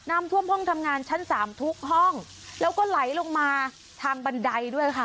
น้ำท่วมห้องทำงานชั้นสามทุกห้องแล้วก็ไหลลงมาทางบันไดด้วยค่ะ